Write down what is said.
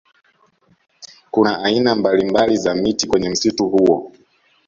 Kuna aina mbalimbali za miti kwenye msitu huo